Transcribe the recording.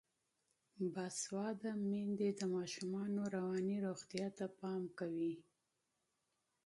باسواده میندې د ماشومانو رواني روغتیا ته پام کوي.